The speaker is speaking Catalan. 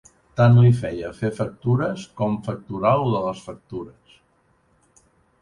Tant li feia fer factures com facturar lo de les factures